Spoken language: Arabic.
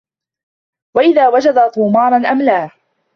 وَإِذَا وَجَدَ طُومَارًا أَمْلَاهُ